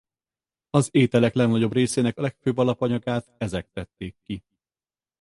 Az ételek legnagyobb részének legfőbb alapanyagát ezek tették ki.